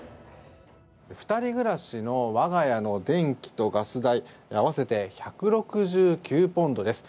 ２人暮らしの我が家の電気とガス代合わせて１６９ポンドです。